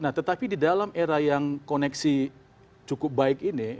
nah tetapi di dalam era yang koneksi cukup baik ini